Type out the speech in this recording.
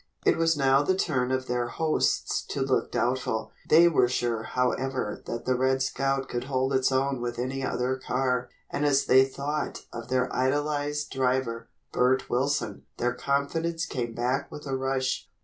It was now the turn of their hosts to look doubtful. They were sure, however, that the "Red Scout" could hold its own with any other car, and as they thought of their idolized driver, Bert Wilson, their confidence came back with a rush.